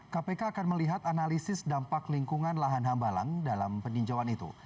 kpk akan melihat analisis dampak lingkungan lahan hambalang dalam peninjauan itu